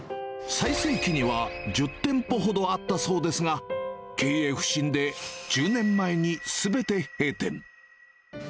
最盛期には１０店舗ほどあったそうですが、経営不振で１０年前にすべて閉店。